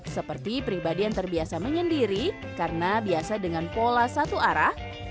seperti pribadi yang terbiasa menyendiri karena biasa dengan pola satu arah